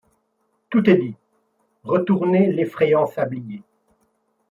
Tout est dit ! Retournez l’effrayant sablier